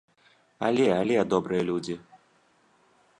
Але, але, добрыя людзі!